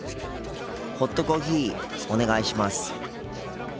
ホットコーヒーお願いします。